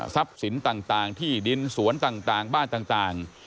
สินต่างที่ดินสวนต่างบ้านต่าง